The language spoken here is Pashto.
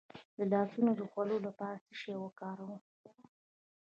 د لاسونو د خولې لپاره څه شی وکاروم؟